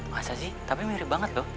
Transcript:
masa sih tapi mirip banget loh